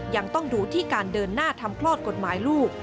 ยังต้องดูที่การเดินหน้าทำคลอดกฎหมายลูก